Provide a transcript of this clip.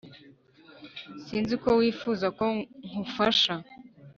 sinzi uko wifuza ko nkufasha